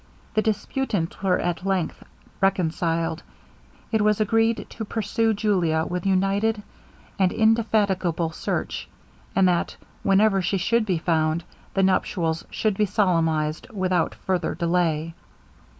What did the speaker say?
The disputants were at length reconciled; it was agreed to pursue Julia with united, and indefatigable search; and that whenever she should be found, the nuptials should be solemnized without further delay.